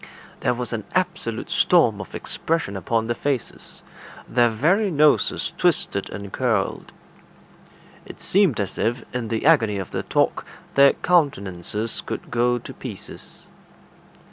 There was an absolute storm of expression upon their faces; their very noses twisted and curled. It seemed as if, in the agony of their talk, their countenances would go to pieces.